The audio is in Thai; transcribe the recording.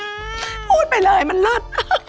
พูดไปเลยมันเลิศ